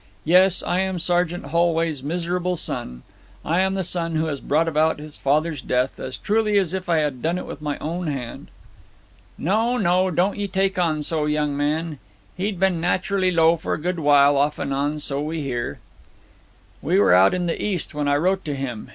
Yes; I am Sergeant Holway's miserable son I'm the son who has brought about his father's death, as truly as if I had done it with my own hand!' 'No, no. Don't ye take on so, young man. He'd been naturally low for a good while, off and on, so we hear.' 'We were out in the East when I wrote to him.